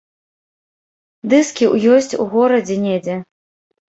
Дыскі ёсць у горадзе недзе.